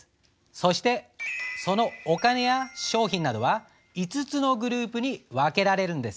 そしてそのお金や商品などは５つのグループに分けられるんです。